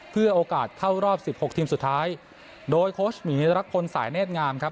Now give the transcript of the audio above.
เพื่อโอกาสเข้ารอบสิบหกทีมสุดท้ายโดยโค้ชหมีรักพลสายเนธงามครับ